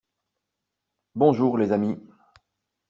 Bonjour les amis.